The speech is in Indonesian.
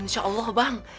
insya allah bang